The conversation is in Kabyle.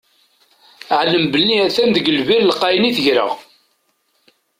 Ɛlem belli a-t-an deg lbir lqayen i tegreɣ.